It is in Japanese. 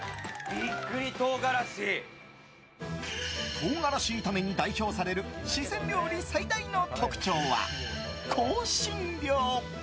唐辛子炒めに代表される四川料理最大の特徴は香辛料。